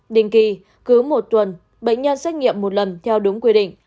đình kỳ cứ một tuần bệnh nhân xét nghiệm một lần theo đúng quy định